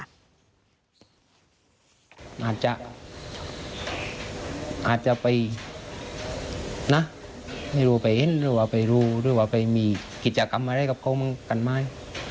แพร่ฝนเติ้ลไปห้านิดแบบนี้ผมก็ไม่รู้ว่าเคย